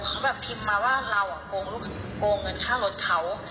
เขาแบบพิมพ์มาว่าเราโกงเงินค่ารถเขา